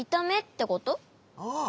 ああ。